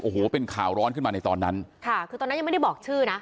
โอ้โหเป็นข่าวร้อนขึ้นมาในตอนนั้นค่ะคือตอนนั้นยังไม่ได้บอกชื่อนะ